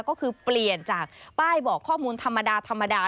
ก็คือเปลี่ยนจากป้ายบอกข้อมูลธรรมดาธรรมดา